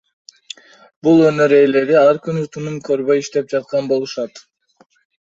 Бул өнөр ээлери ар күнү тыным көрбөй иштеп жаткан болушат.